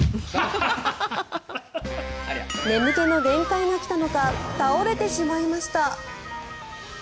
眠気の限界が来たのか倒れてしまいました。